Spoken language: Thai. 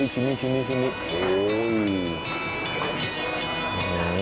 ชิมนี่โอ้